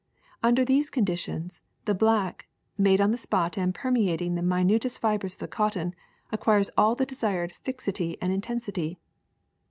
Under these conditions the black, made on the spot and permeat ing the minutest fibers of the cotton, acquires all the desired fixity and intensity.